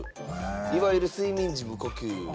いわゆる睡眠時無呼吸。